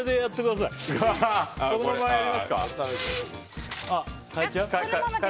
このままやりますか？